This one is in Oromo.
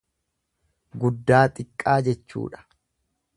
Guddaa xiqqaa jechuudha.